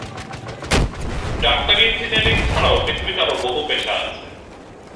ডাক্তারি, ইঞ্জিনিয়ারিং ছাড়াও পৃথিবীতে আরও বহু পেশা আছে।